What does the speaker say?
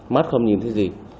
mắt không nhìn thấy gì